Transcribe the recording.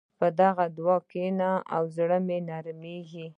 په دعا کښېنه، زړه دې نرمېږي.